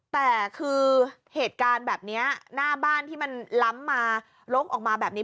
แต่คือเหตุการณ์แบบนี้หน้าบ้านที่มันล้ำมาลกออกมาแบบนี้